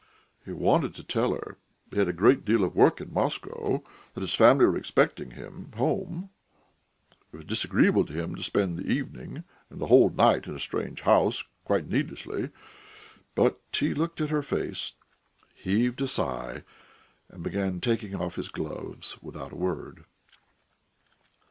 He wanted to tell her that he had a great deal of work in Moscow, that his family were expecting him home; it was disagreeable to him to spend the evening and the whole night in a strange house quite needlessly; but he looked at her face, heaved a sigh, and began taking off his gloves without a word.